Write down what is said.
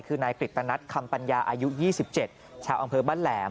คือนายกฤตนัทคำปัญญาอายุ๒๗ชาวอำเภอบ้านแหลม